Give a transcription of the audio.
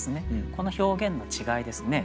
この表現の違いですね。